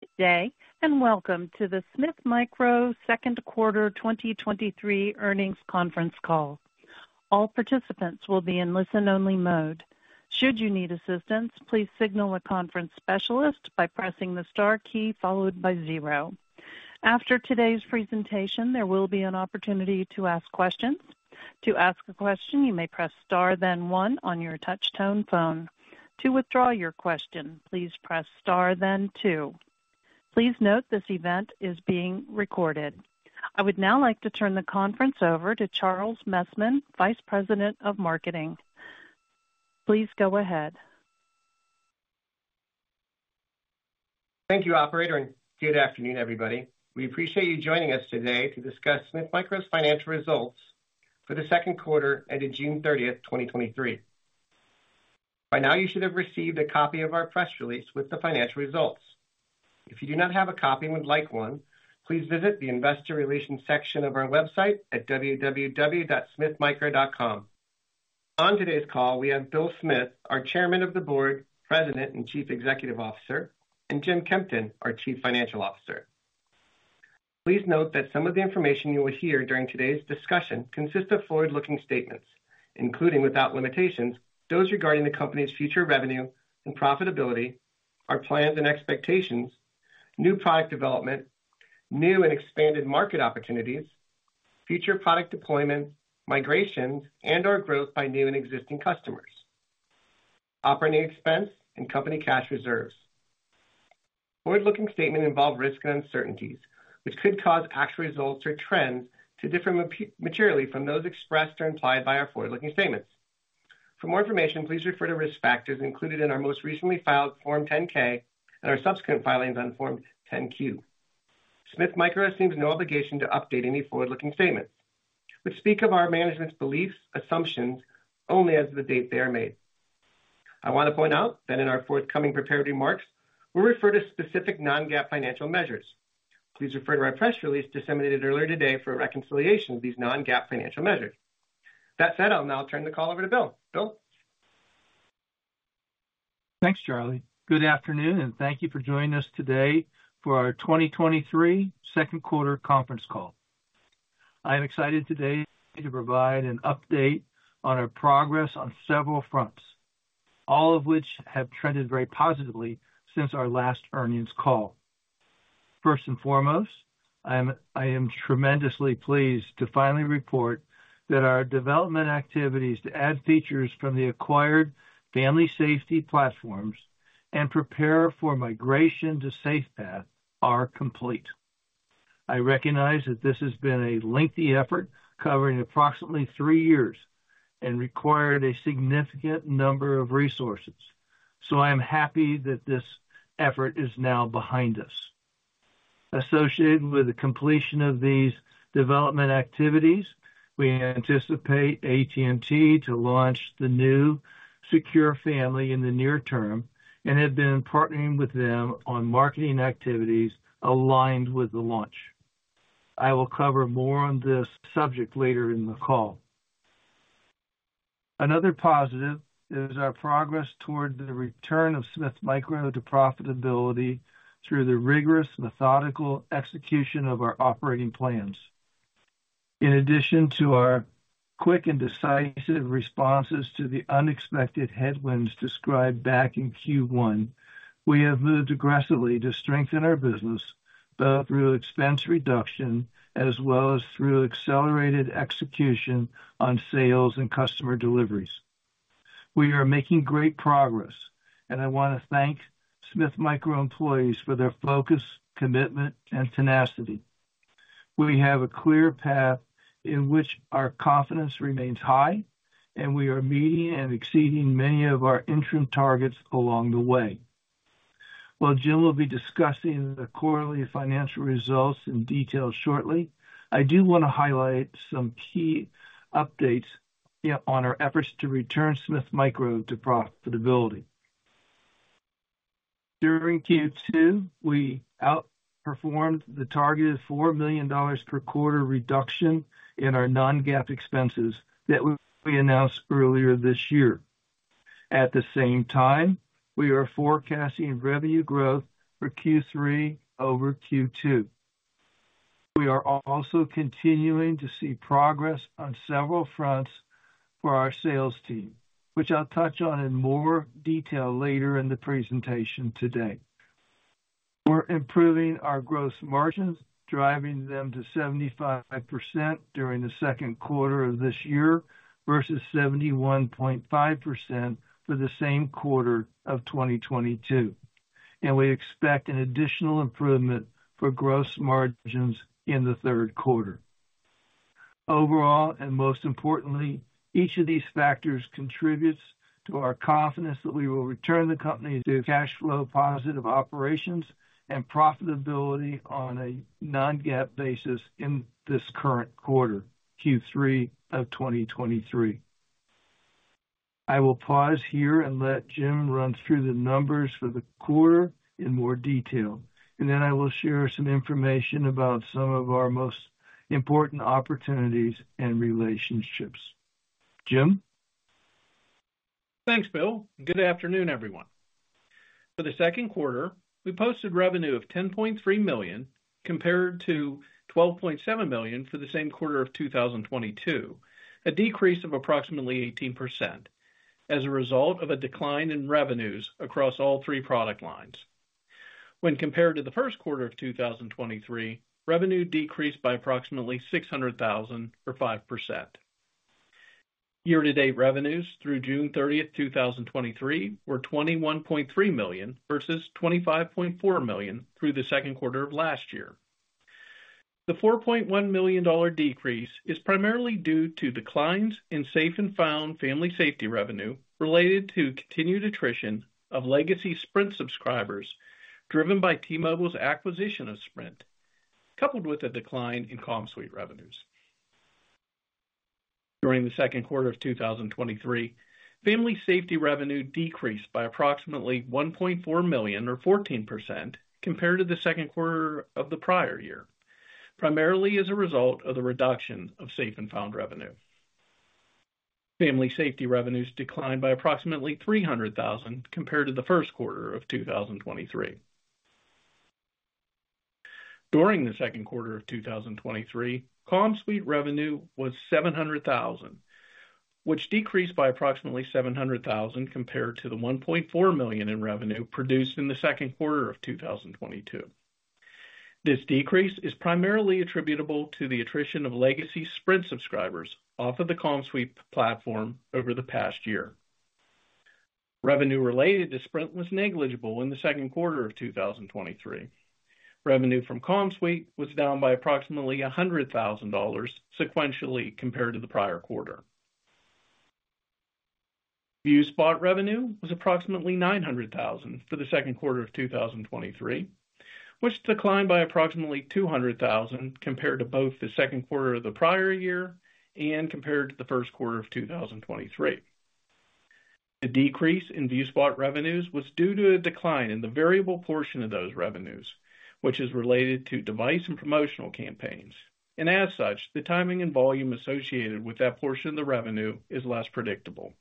Good day. Welcome to the Smith Micro second quarter 2023 earnings conference call. All participants will be in listen-only mode. Should you need assistance, please signal a conference specialist by pressing the star key followed by 0. After today's presentation, there will be an opportunity to ask questions. To ask a question, you may press star then one on your touch-tone phone. To withdraw your question, please press star then two. Please note this event is being recorded. I would now like to turn the conference over to Charles Messman, Vice President of Marketing. Please go ahead. Thank you, operator, good afternoon, everybody. We appreciate you joining us today to discuss Smith Micro's financial results for the second quarter ended June 30, 2023. By now, you should have received a copy of our press release with the financial results. If you do not have a copy and would like one, please visit the investor relations section of our website at www.smithmicro.com. On today's call, we have Bill Smith, our Chairman of the Board, President, and Chief Executive Officer, and Jim Kempton, our Chief Financial Officer. Please note that some of the information you will hear during today's discussion consists of forward-looking statements, including without limitations, those regarding the company's future revenue and profitability, our plans and expectations, new product development, new and expanded market opportunities, future product deployments, migrations, and/or growth by new and existing customers, operating expense, and company cash reserves. Forward-looking statements involve risks and uncertainties, which could cause actual results or trends to differ materially from those expressed or implied by our forward-looking statements. For more information, please refer to risk factors included in our most recently filed Form 10-K and our subsequent filings on Form 10-Q. Smith Micro assumes no obligation to update any forward-looking statements, which speak of our management's beliefs, assumptions only as of the date they are made. I want to point out that in our forthcoming prepared remarks, we'll refer to specific non-GAAP financial measures. Please refer to our press release disseminated earlier today for a reconciliation of these non-GAAP financial measures. That said, I'll now turn the call over to Bill. Bill? Thanks, Charlie. Good afternoon, and thank you for joining us today for our 2023 second quarter conference call. I am excited today to provide an update on our progress on several fronts, all of which have trended very positively since our last earnings call. First and foremost, I am tremendously pleased to finally report that our development activities to add features from the acquired family safety platforms and prepare for migration to SafePath are complete. I recognize that this has been a lengthy effort, covering approximately three years and required a significant number of resources, so I am happy that this effort is now behind us. Associated with the completion of these development activities, we anticipate AT&T to launch the new Secure Family in the near term and have been partnering with them on marketing activities aligned with the launch. I will cover more on this subject later in the call. Another positive is our progress towards the return of Smith Micro to profitability through the rigorous, methodical execution of our operating plans. In addition to our quick and decisive responses to the unexpected headwinds described back in Q1, we have moved aggressively to strengthen our business, both through expense reduction as well as through accelerated execution on sales and customer deliveries. We are making great progress. I want to thank Smith Micro employees for their focus, commitment, and tenacity. We have a clear path in which our confidence remains high. We are meeting and exceeding many of our interim targets along the way. While Jim will be discussing the quarterly financial results in detail shortly, I do want to highlight some key updates on our efforts to return Smith Micro to profitability. During Q2, we outperformed the targeted $4 million per-quarter reduction in our non-GAAP expenses that we announced earlier this year. At the same time, we are forecasting revenue growth for Q3 over Q2. We are also continuing to see progress on several fronts for our sales team, which I'll touch on in more detail later in the presentation today. We're improving our gross margins, driving them to 75% during the second quarter of this year, versus 71.5% for the same quarter of 2022, and we expect an additional improvement for gross margins in the third quarter. Overall, and most importantly, each of these factors contributes to our confidence that we will return the company to cash flow positive operations and profitability on a non-GAAP basis in this current quarter, Q3 of 2023. I will pause here and let Jim run through the numbers for the quarter in more detail, and then I will share some information about some of our most important opportunities and relationships. Jim? Thanks, Bill. Good afternoon, everyone. For the second quarter, we posted revenue of $10.3 million, compared to $12.7 million for the same quarter of 2022, a decrease of approximately 18% as a result of a decline in revenues across all three product lines. When compared to the first quarter of 2023, revenue decreased by approximately $600,000 or 5%. Year-to-date revenues through June 30th, 2023, were $21.3 million versus $25.4 million through the second quarter of last year. The $4.1 million decrease is primarily due to declines in Safe & Found Family Safety revenue related to continued attrition of legacy Sprint subscribers, driven by T-Mobile's acquisition of Sprint, coupled with a decline in CommSuite revenues. During the second quarter of 2023, Family Safety revenue decreased by approximately $1.4 million or 14%, compared to the second quarter of the prior year, primarily as a result of the reduction of Safe & Found revenue. Family Safety revenues declined by approximately $300,000 compared to the first quarter of 2023. During the second quarter of 2023, CommSuite revenue was $700,000, which decreased by approximately $700,000 compared to the $1.4 million in revenue produced in the second quarter of 2022. This decrease is primarily attributable to the attrition of legacy Sprint subscribers off of the CommSuite platform over the past year. Revenue related to Sprint was negligible in the second quarter of 2023. Revenue from CommSuite was down by approximately $100,000 sequentially compared to the prior quarter. ViewSpot revenue was approximately $900,000 for the second quarter of 2023, which declined by approximately $200,000 compared to both the second quarter of the prior year and compared to the first quarter of 2023. The decrease in ViewSpot revenues was due to a decline in the variable portion of those revenues, which is related to device and promotional campaigns, and as such, the timing and volume associated with that portion of the revenue is less predictable.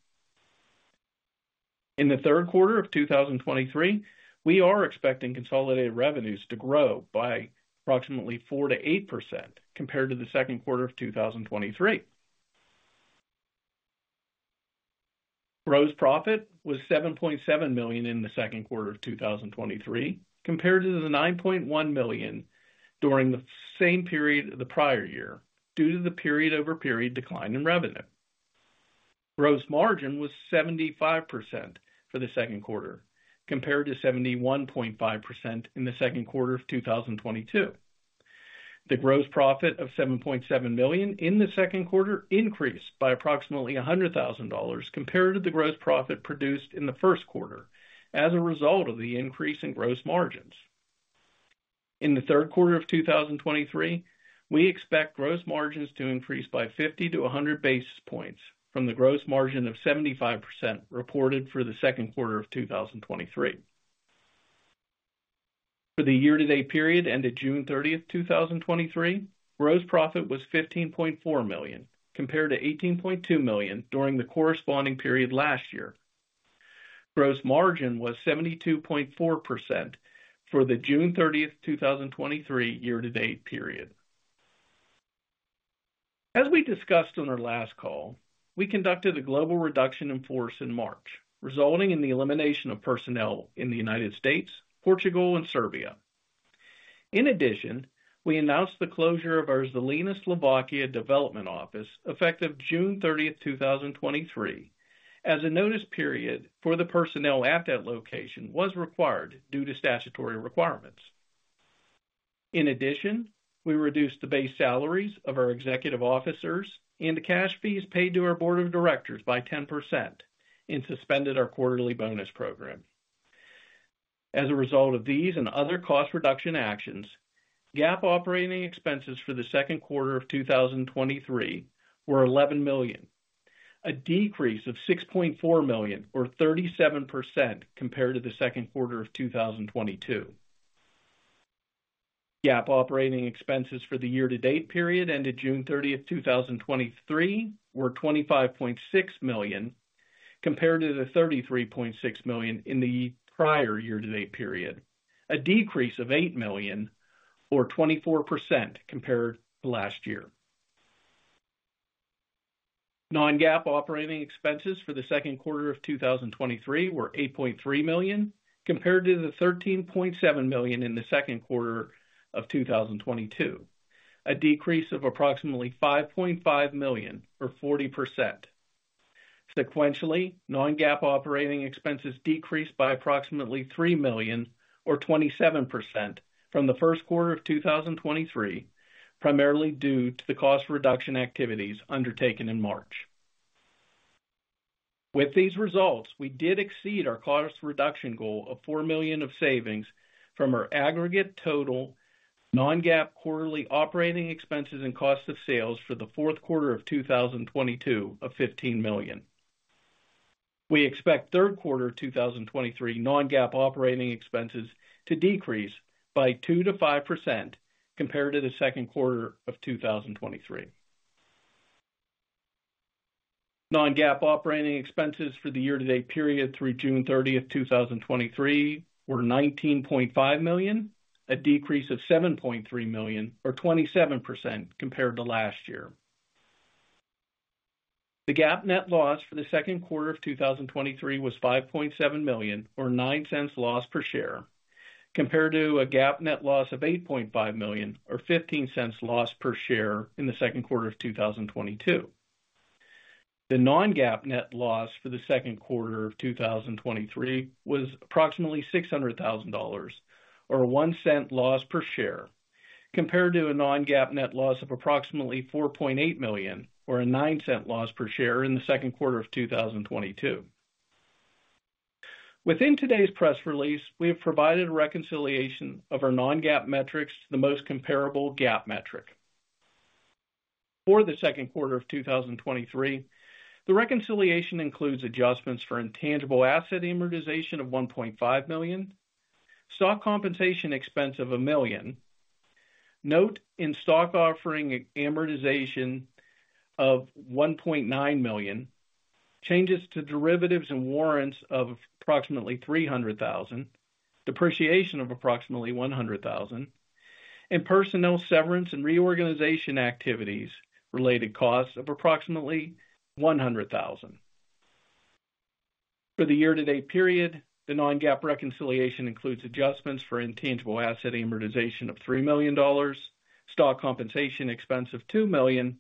In the third quarter of 2023, we are expecting consolidated revenues to grow by approximately 4%-8% compared to the second quarter of 2023. Gross profit was $7.7 million in the second quarter of 2023, compared to the $9.1 million during the same period the prior year, due to the period-over-period decline in revenue. Gross margin was 75% for the second quarter, compared to 71.5% in the second quarter of 2022. The gross profit of $7.7 million in the second quarter increased by approximately $100,000 compared to the gross profit produced in the first quarter as a result of the increase in gross margins. In the third quarter of 2023, we expect gross margins to increase by 50-100 basis points from the gross margin of 75% reported for the second quarter of 2023. For the year-to-date period ended June 30, 2023, gross profit was $15.4 million, compared to $18.2 million during the corresponding period last year. Gross margin was 72.4% for the June 30th, 2023 year-to-date period. As we discussed on our last call, we conducted a global reduction in force in March, resulting in the elimination of personnel in the United States, Portugal, and Serbia. In addition, we announced the closure of our Žilina, Slovakia, development office, effective June 30th, 2023, as a notice period for the personnel at that location was required due to statutory requirements. In addition, we reduced the base salaries of our executive officers and the cash fees paid to our board of directors by 10% and suspended our quarterly bonus program. As a result of these and other cost reduction actions, GAAP operating expenses for the second quarter of 2023 were $11 million, a decrease of $6.4 million, or 37%, compared to the second quarter of 2022. GAAP operating expenses for the year-to-date period ended June 30th, 2023, were $25.6 million, compared to the $33.6 million in the prior year-to-date period, a decrease of $8 million or 24% compared to last year. Non-GAAP operating expenses for the second quarter of 2023 were $8.3 million, compared to the $13.7 million in the second quarter of 2022, a decrease of approximately $5.5 million, or 40%. Sequentially, non-GAAP operating expenses decreased by approximately $3 million or 27% from the first quarter of 2023, primarily due to the cost reduction activities undertaken in March. With these results, we did exceed our cost reduction goal of $4 million of savings from our aggregate total non-GAAP quarterly operating expenses and cost of sales for the fourth quarter of 2022 of $15 million. We expect third quarter 2023 non-GAAP operating expenses to decrease by 2%-5% compared to the second quarter of 2023. Non-GAAP operating expenses for the year-to-date period through June 30th, 2023, were $19.5 million, a decrease of $7.3 million, or 27% compared to last year. The GAAP net loss for the second quarter of 2023 was $5.7 million, or $0.09-loss per share, compared to a GAAP net loss of $8.5 million, or $0.15-loss per share in the second quarter of 2022. The non-GAAP net loss for the second quarter of 2023 was approximately $600,000 or $0.01-loss per share, compared to a non-GAAP net loss of approximately $4.8 million, or a $0.09-loss per share in the second quarter of 2022. Within today's press release, we have provided a reconciliation of our non-GAAP metrics to the most comparable GAAP metric. For the second quarter of 2023, the reconciliation includes adjustments for intangible asset amortization of $1.5 million, stock compensation expense of $1 million, note in stock offering amortization of $1.9 million, changes to derivatives and warrants of approximately $300,000, depreciation of approximately $100,000, and personnel severance and reorganization activities related costs of approximately $100,000. For the year-to-date period, the non-GAAP reconciliation includes adjustments for intangible asset amortization of $3 million, stock compensation expense of $2 million,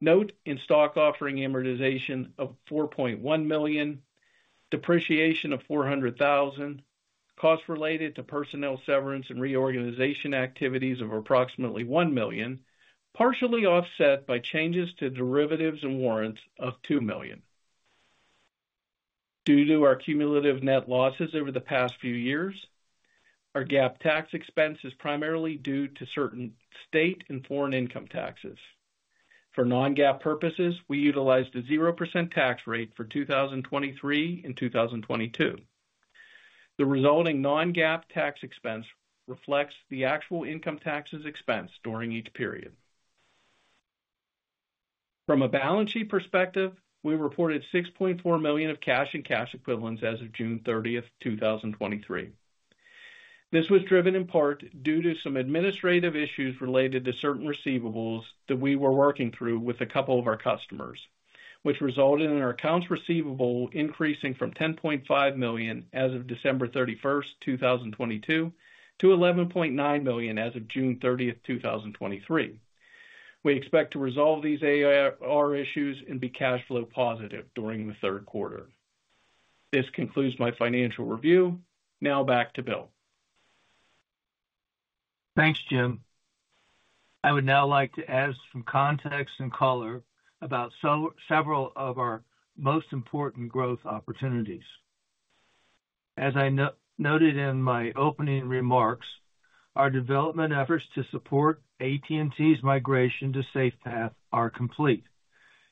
note in stock offering amortization of $4.1 million, depreciation of $400,000, costs related to personnel severance and reorganization activities of approximately $1 million, partially offset by changes to derivatives and warrants of $2 million. Due to our cumulative net losses over the past few years, our GAAP tax expense is primarily due to certain state and foreign income taxes. For non-GAAP purposes, we utilized a 0% tax rate for 2023 and 2022. The resulting non-GAAP tax expense reflects the actual income taxes expense during each period. From a balance sheet perspective, we reported $6.4 million of cash and cash equivalents as of June 30th, 2023. This was driven in part due to some administrative issues related to certain receivables that we were working through with a couple of our customers, which resulted in our accounts receivable increasing from $10.5 million as of December 31st, 2022, to $11.9 million as of June 30th, 2023. We expect to resolve these AR issues and be cash flow positive during the third quarter. This concludes my financial review. Now back to Bill. Thanks, Jim. I would now like to add some context and color about several of our most important growth opportunities. As I noted in my opening remarks, our development efforts to support AT&T's migration to SafePath are complete,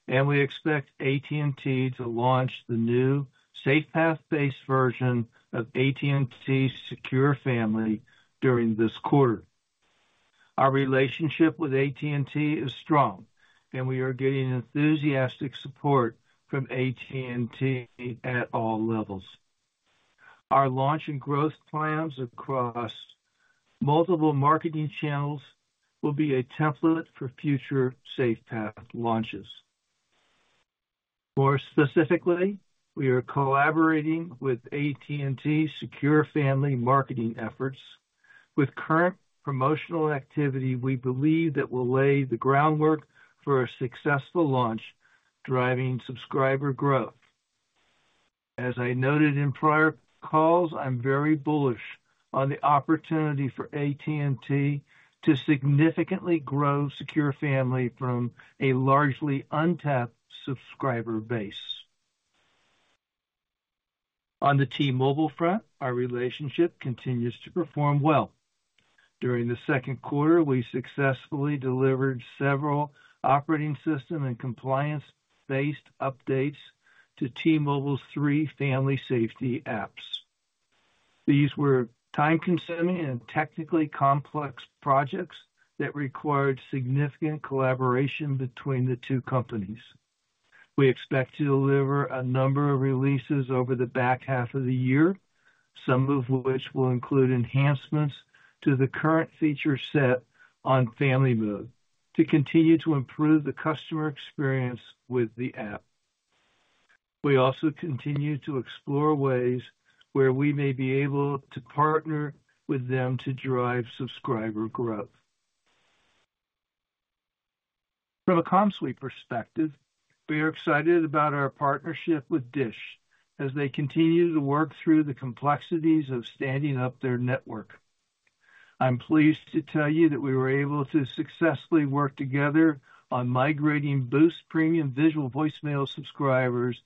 and we expect AT&T to launch the new SafePath-based version of AT&T's Secure Family during this quarter. Our relationship with AT&T is strong, and we are getting enthusiastic support from AT&T at all levels. Our launch and growth plans across multiple marketing channels will be a template for future SafePath launches. More specifically, we are collaborating with AT&T's Secure Family marketing efforts. With current promotional activity, we believe that we'll lay the groundwork for a successful launch, driving subscriber growth. As I noted in prior calls, I'm very bullish on the opportunity for AT&T to significantly grow Secure Family from a largely untapped subscriber base. On the T-Mobile front, our relationship continues to perform well. During the second quarter, we successfully delivered several operating system and compliance-based updates to T-Mobile's three family safety apps. These were time-consuming and technically complex projects that required significant collaboration between the two companies. We expect to deliver a number of releases over the back half of the year, some of which will include enhancements to the current feature set on Family Mode, to continue to improve the customer experience with the app. We also continue to explore ways where we may be able to partner with them to drive subscriber growth. From a CommSuite perspective, we are excited about our partnership with DISH as they continue to work through the complexities of standing up their network. I'm pleased to tell you that we were able to successfully work together on migrating Boost premium visual voicemail subscribers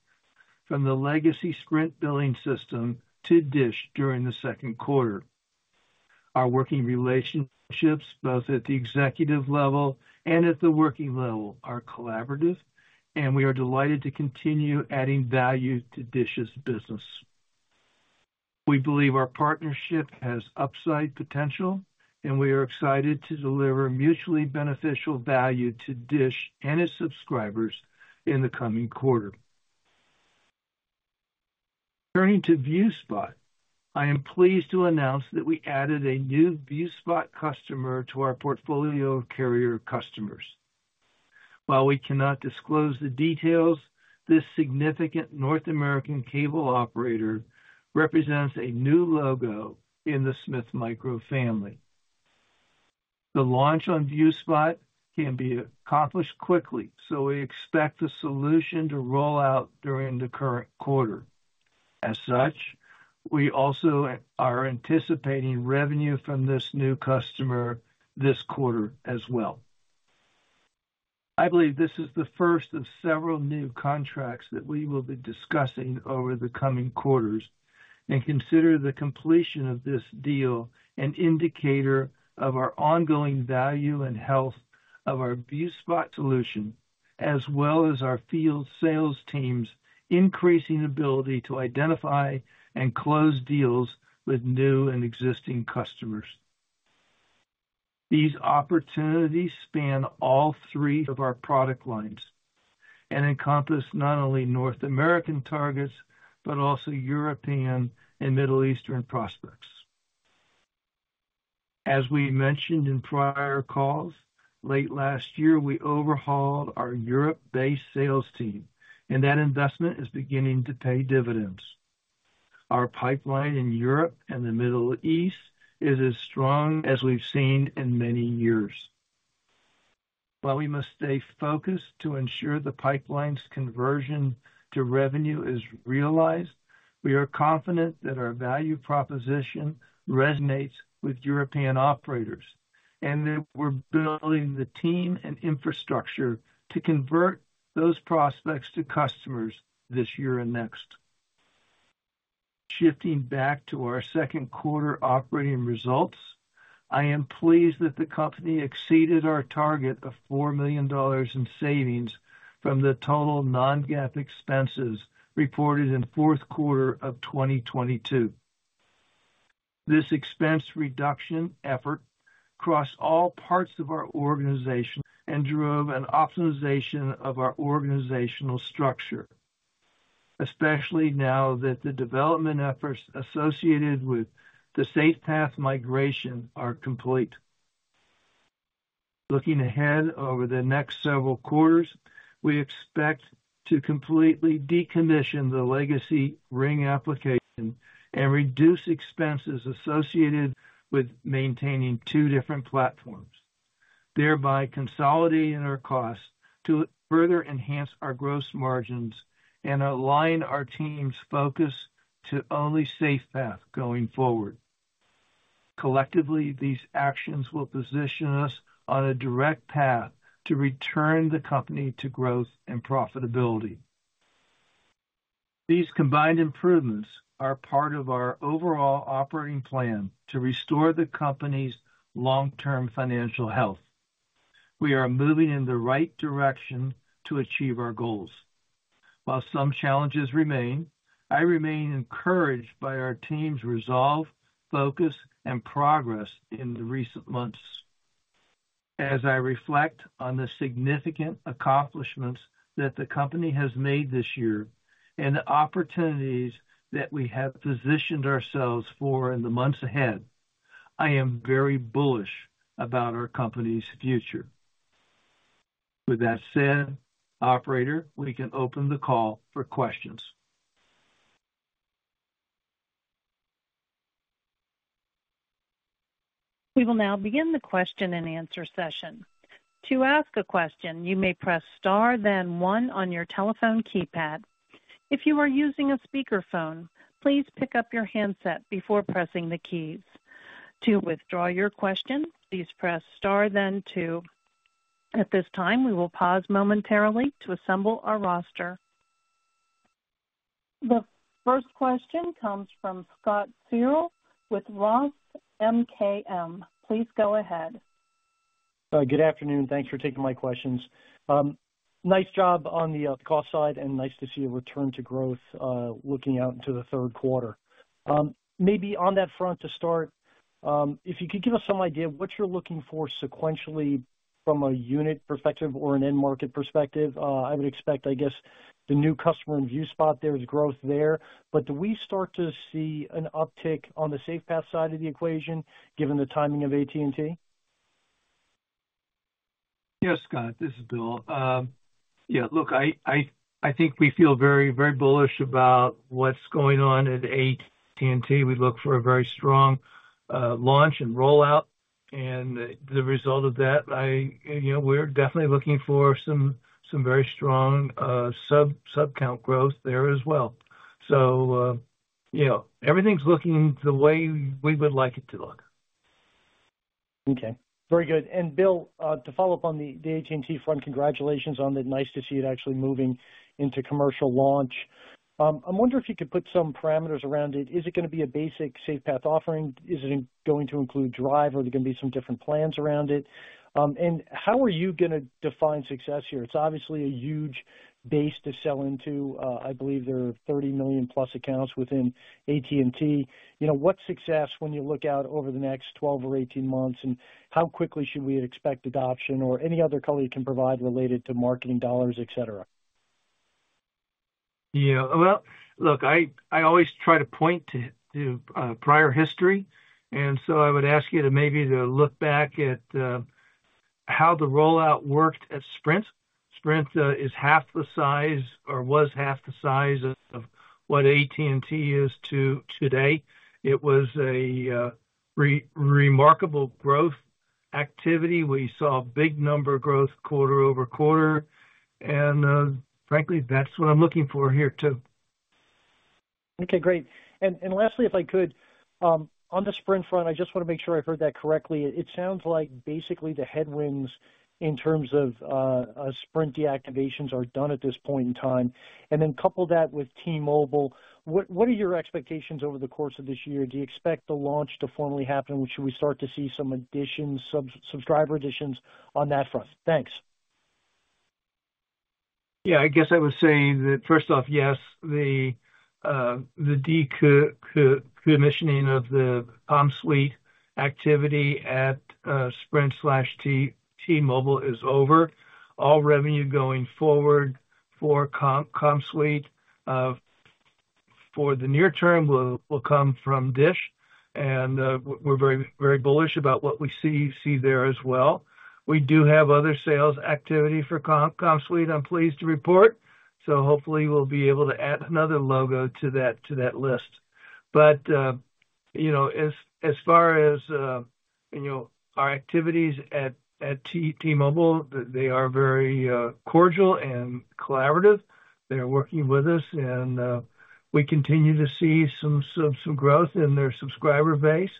from the legacy Sprint billing system to DISH during the second quarter. Our working relationships, both at the executive level and at the working level, are collaborative, and we are delighted to continue adding value to DISH's business. We believe our partnership has upside potential, and we are excited to deliver mutually beneficial value to DISH and its subscribers in the coming quarter. Turning to ViewSpot, I am pleased to announce that we added a new ViewSpot customer to our portfolio of carrier customers. While we cannot disclose the details, this significant North American cable operator represents a new logo in the Smith Micro family. The launch on ViewSpot can be accomplished quickly, we expect the solution to roll out during the current quarter. As such, we also are anticipating revenue from this new customer this quarter as well. I believe this is the first of several new contracts that we will be discussing over the coming quarters, and consider the completion of this deal an indicator of our ongoing value and health of our ViewSpot solution, as well as our field sales team's increasing ability to identify and close deals with new and existing customers. These opportunities span all three of our product lines and encompass not only North American targets, but also European and Middle Eastern prospects. As we mentioned in prior calls, late last year, we overhauled our Europe-based sales team, and that investment is beginning to pay dividends. Our pipeline in Europe and the Middle East is as strong as we've seen in many years. While we must stay focused to ensure the pipeline's conversion to revenue is realized, we are confident that our value proposition resonates with European operators, and that we're building the team and infrastructure to convert those prospects to customers this year and next. Shifting back to our second quarter operating results, I am pleased that the company exceeded our target of $4 million in savings from the total non-GAAP expenses reported in fourth quarter of 2022. This expense reduction effort crossed all parts of our organization and drove an optimization of our organizational structure, especially now that the development efforts associated with the SafePath migration are complete. Looking ahead, over the next several quarters, we expect to completely decommission the legacy Ring application and reduce expenses associated with maintaining two different platforms, thereby consolidating our costs to further enhance our gross margins and align our team's focus to only SafePath going forward. Collectively, these actions will position us on a direct path to return the company to growth and profitability. These combined improvements are part of our overall operating plan to restore the company's long-term financial health. We are moving in the right direction to achieve our goals. While some challenges remain, I remain encouraged by our team's resolve, focus, and progress in the recent months. As I reflect on the significant accomplishments that the company has made this year and the opportunities that we have positioned ourselves for in the months ahead, I am very bullish about our company's future. With that said, operator, we can open the call for questions. We will now begin the question-and-answer session. To ask a question, you may press star, then one on your telephone keypad. If you are using a speakerphone, please pick up your handset before pressing the keys. To withdraw your question, please press star, then two. At this time, we will pause momentarily to assemble our roster. The first question comes from Scott Searle with Roth MKM. Please go ahead. Good afternoon. Thanks for taking my questions. Nice job on the cost side, and nice to see a return to growth, looking out into the third quarter. Maybe on that front, to start, if you could give us some idea of what you're looking for sequentially from a unit perspective or an end market perspective. I would expect, I guess, the new customer in ViewSpot, there is growth there. Do we start to see an uptick on the SafePath side of the equation, given the timing of AT&T? Yes, Scott, this is Bill. Yeah, look, I, I, I think we feel very, very bullish about what's going on at AT&T. We look for a very strong launch and rollout, and the result of that, I, you know, we're definitely looking for some, some very strong, sub, subcount growth there as well. Everything's looking the way we would like it to look. Okay, very good. Bill, to follow up on the AT&T front, congratulations on that. Nice to see it actually moving into commercial launch. I'm wondering if you could put some parameters around it. Is it gonna be a basic SafePath offering? Is it going to include Drive, or are there gonna be some different plans around it? How are you gonna define success here? It's obviously a huge base to sell into. I believe there are 30 million+ accounts within AT&T. You know, what's success when you look out over the next 12 or 18 months, and how quickly should we expect adoption or any other color you can provide related to marketing dollars, et cetera? Yeah. Well, look, I, I always try to point to, to prior history, and so I would ask you to maybe to look back at how the rollout worked at Sprint. Sprint is half the size or was half the size of, of what AT&T is today. It was a remarkable growth activity. We saw big number growth quarter-over-quarter, and frankly, that's what I'm looking for here, too. Okay, great. Lastly, if I could, on the Sprint front, I just wanna make sure I heard that correctly. It sounds like basically the headwinds in terms of Sprint deactivations are done at this point in time, and then couple that with T-Mobile, what are your expectations over the course of this year? Do you expect the launch to formally happen? Should we start to see some additions, subscriber additions on that front? Thanks. Yeah, I guess I was saying that, first off, yes, the decommissioning of the CommSuite activity at Sprint/T-Mobile is over. All revenue going forward for CommSuite for the near term will, will come from DISH, and we're very, very bullish about what we see, see there as well. We do have other sales activity for CommSuite, I'm pleased to report, so hopefully we'll be able to add another logo to that, to that list. But, you know, as, as far as, you know, our activities at T-Mobile, they are very cordial and collaborative. They're working with us, and we continue to see some, some, some growth in their subscriber base,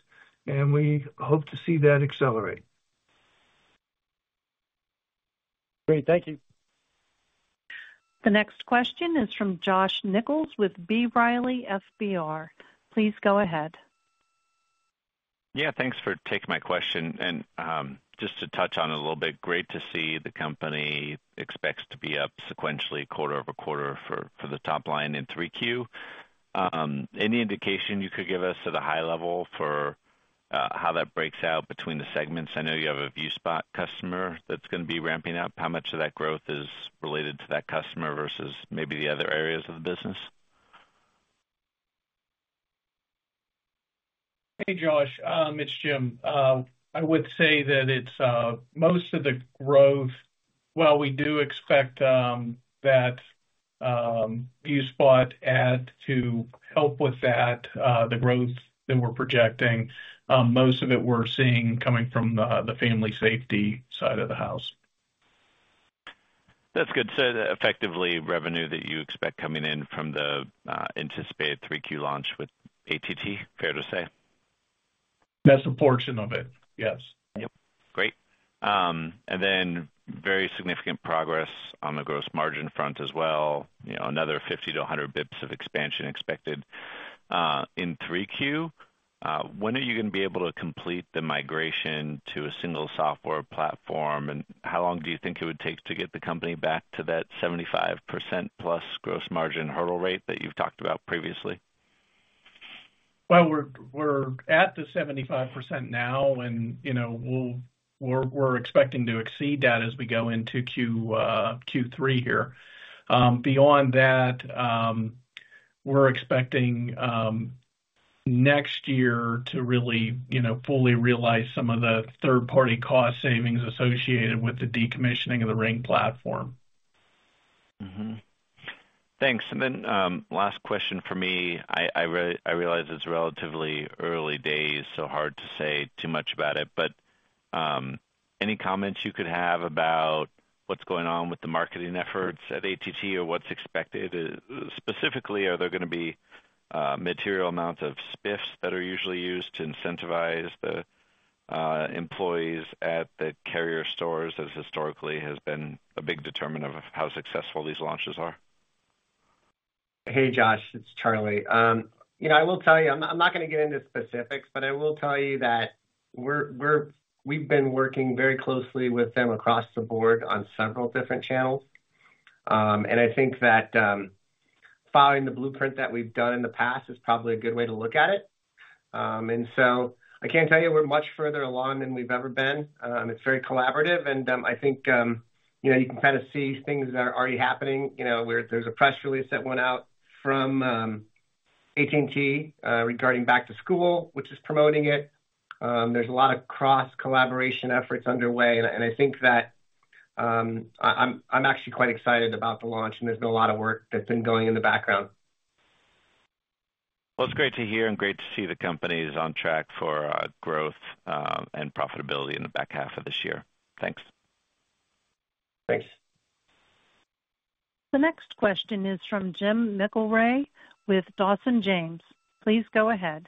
and we hope to see that accelerate. Great. Thank you. The next question is from Josh Nichols with B. Riley. Please go ahead. Yeah, thanks for taking my question. Just to touch on it a little bit, great to see the company expects to be up sequentially, quarter-over-quarter for, for the top line in 3Q. Any indication you could give us at a high level for how that breaks out between the segments? I know you have a ViewSpot customer that's gonna be ramping up. How much of that growth is related to that customer versus maybe the other areas of the business? Hey, Josh, it's Jim. I would say that it's most of the growth. Well, we do expect that ViewSpot add to help with that, the growth that we're projecting, most of it we're seeing coming from the Family Safety side of the house. That's good. Effectively, revenue that you expect coming in from the anticipated 3Q launch with AT&T, fair to say? That's a portion of it, yes. Yep. Great. Very significant progress on the gross margin front as well, you know, another 50 to 100 bips of expansion expected in 3Q. When are you gonna be able to complete the migration to a single software platform, and how long do you think it would take to get the company back to that 75%+ gross margin hurdle rate that you've talked about previously? Well, we're, we're at the 75% now, and, you know, we're, we're expecting to exceed that as we go into Q3 here. Beyond that, we're expecting next year to really, you know, fully realize some of the third-party cost savings associated with the decommissioning of the Ring platform. Thanks. Last question for me. I realize it's relatively early days, so hard to say too much about it, but any comments you could have about what's going on with the marketing efforts at AT&T or what's expected? Specifically, are there gonna be material amounts of spiffs that are usually used to incentivize the employees at the carrier stores, as historically has been a big determinant of how successful these launches are? Hey, Josh, it's Charlie. You know, I will tell you, I'm not, I'm not gonna get into specifics, but I will tell you that we've been working very closely with them across the board on several different channels. I think that following the blueprint that we've done in the past is probably a good way to look at it. I can tell you, we're much further along than we've ever been. It's very collaborative, and I think, you know, you can kind of see things that are already happening. You know, where there's a press release that went out from AT&T regarding Back-To-School, which is promoting it. There's a lot of cross-collaboration efforts underway, and I think that, I'm actually quite excited about the launch, and there's been a lot of work that's been going in the background. Well, it's great to hear and great to see the company is on track for growth and profitability in the back half of this year. Thanks. Thanks. The next question is from Jim McIlree with Dawson James. Please go ahead.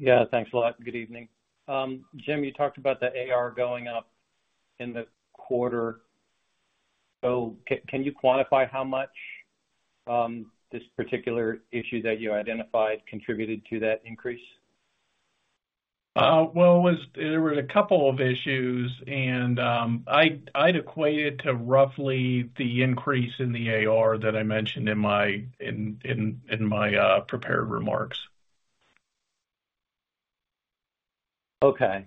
Yeah, thanks a lot. Good evening. Jim, you talked about the AR going up in the quarter, can you quantify how much this particular issue that you identified contributed to that increase? Well, there were a couple of issues, and I'd, I'd equate it to roughly the increase in the AR that I mentioned in my prepared remarks. Okay.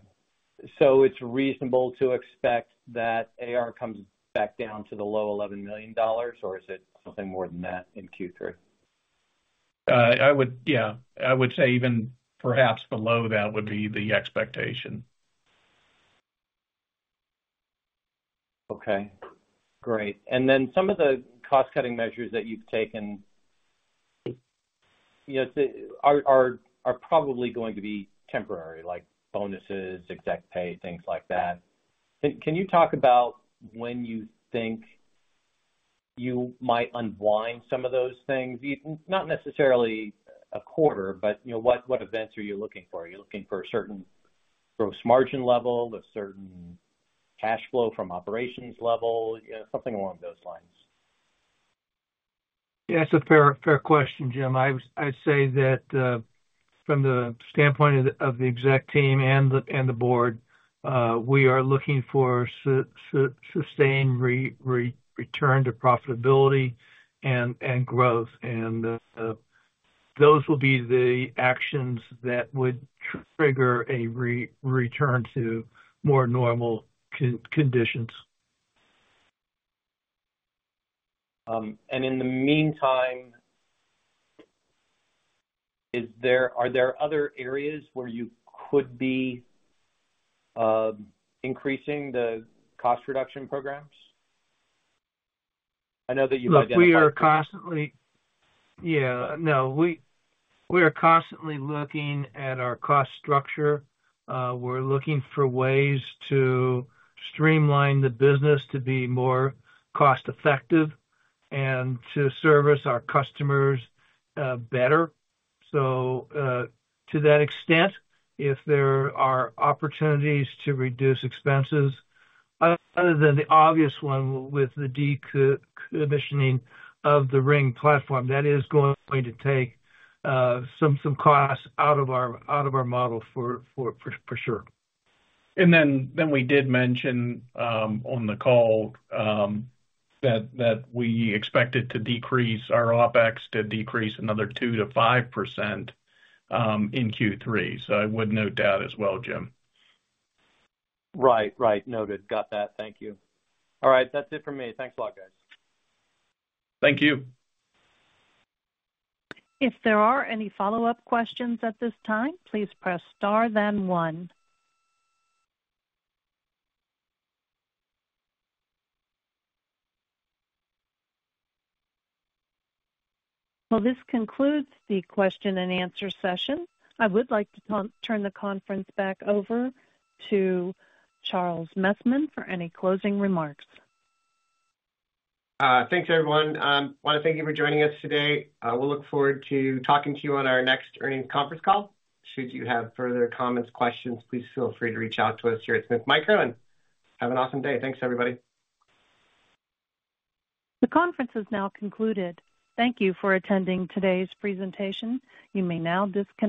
It's reasonable to expect that AR comes back down to the low $11 million, or is it something more than that in Q3? Yeah, I would say even perhaps below that would be the expectation. Okay, great. Some of the cost-cutting measures that you've taken, you know, to, are probably going to be temporary, like bonuses, exec pay, things like that. Can you talk about when you think you might unwind some of those things? Not necessarily a quarter, but, you know, what, what events are you looking for? Are you looking for a certain gross margin level, a certain cash flow from operations level? Something along those lines. Yeah, it's a fair, fair question, Jim. I would-- I'd say that, from the standpoint of the, of the exec team and the, and the board, we are looking for sustained return to profitability and, and growth. Those will be the actions that would trigger a return to more normal conditions. In the meantime, are there other areas where you could be increasing the cost reduction programs? I know that you... Look, we are constantly... Yeah. No, we, we are constantly looking at our cost structure. We're looking for ways to streamline the business to be more cost-effective and to service our customers better. To that extent, if there are opportunities to reduce expenses, other than the obvious one, with the decommissioning of the Ring platform, that is going to take some, some costs out of our, out of our model for, for, for sure. Then we did mention, on the call, that, that we expected to decrease our OpEx to decrease another 2%-5% in Q3. I would note that as well, Jim. Right. Right. Noted. Got that. Thank you. All right, that's it for me. Thanks a lot, guys. Thank you. If there are any follow-up questions at this time, please press star then one. Well, this concludes the question-and-answer session. I would like to turn the conference back over to Charles Messman for any closing remarks. Thanks, everyone. I want to thank you for joining us today. We'll look forward to talking to you on our next earnings conference call. Should you have further comments, questions, please feel free to reach out to us here at Smith Micro. Have an awesome day. Thanks, everybody. The conference is now concluded. Thank you for attending today's presentation. You may now disconnect.